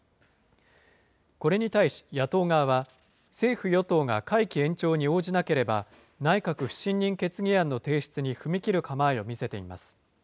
これに対し野党側は、政府・与党が会期延長に応じなければ、内閣不信任決議案の提出に踏み切る構えを見せています。